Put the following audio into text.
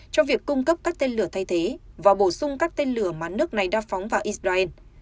cho việc cung cấp các tên lửa thay thế và bổ sung các tên lửa mà nước này đã phóng vào israel